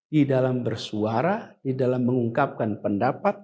di dalam bersuara di dalam mengungkapkan pendapat